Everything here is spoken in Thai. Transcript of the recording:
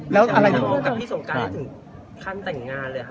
แล้วอะไรที่ออกกับพี่สงการนี่ถึงขั้นแต่งงานเลยค่ะ